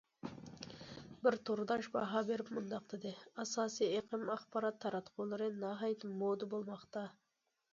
بىر تورداش باھا بېرىپ مۇنداق دېدى: ئاساسىي ئېقىم ئاخبارات تاراتقۇلىرى ناھايىتى« مودا» بولماقتا.